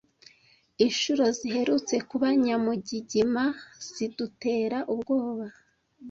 Inshuro ziherutse kuba nyamugigima zidutera ubwoba.